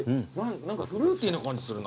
何かフルーティーな感じするな。